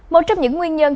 một trong những nguyên nhân